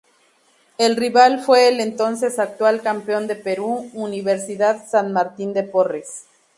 El rival fue el entonces actual campeón de Perú, Universidad San Martín de Porres.